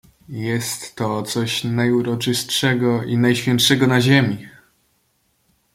"Jest to coś najuroczystszego i najświętszego na ziemi!..."